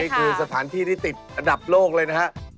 อันนี้คือสถานที่ที่ติดอดับโลกเลยนะครับ